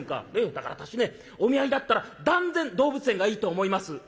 だから私ねお見合いだったら断然動物園がいいと思います」。